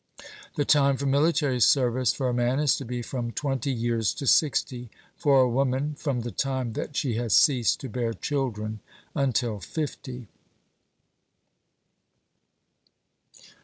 The time for military service for a man is to be from twenty years to sixty; for a woman, from the time that she has ceased to bear children until fifty.